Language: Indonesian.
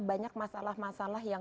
banyak masalah masalah yang